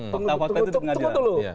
fakta fakta itu di pengadilan